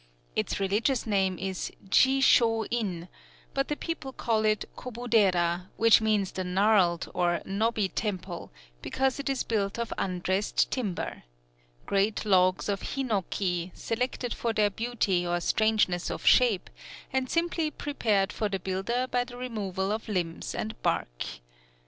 Its religious name is Ji shō in; but the people call it Kobudera, which means the Gnarled, or Knobby Temple, because it is built of undressed timber, great logs of hinoki, selected for their beauty or strangeness of shape, and simply prepared for the builder by the removal of limbs and bark.